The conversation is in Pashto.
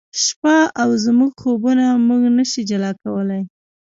شپه او زموږ خوبونه موږ نه شي جلا کولای